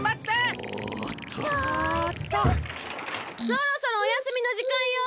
そろそろおやすみのじかんよ。